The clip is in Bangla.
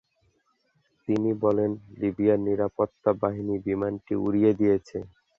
তিনি বলেন, লিবিয়ার নিরাপত্তা বাহিনী বিমানটি উড়িয়ে দিয়েছে।